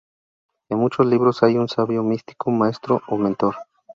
En muchos libros hay un sabio, místico maestro o mentor.